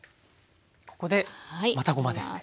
ここでまたごまですね。